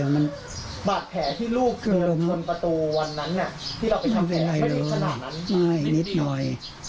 ไม่เป็นไรหรอกง่ายนิดหน่อย